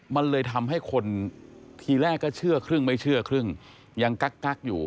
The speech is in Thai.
มันเลยทำให้คนทีแรกก็เชื่อครึ่งไม่เชื่อครึ่งยังกักอยู่